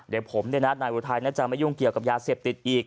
เดี๋ยวผมนายอุทัยน่าจะไม่ยุ่งเกี่ยวกับยาเสพติดอีก